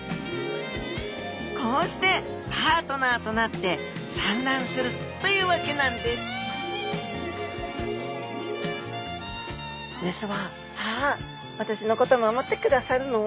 こうしてパートナーとなって産卵するというわけなんです雌は「あ私のこと守ってくださるの。